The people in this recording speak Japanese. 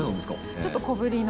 ちょっと小ぶりの。